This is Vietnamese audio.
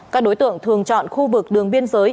các đối tượng thường chọn khu vực đường biên giới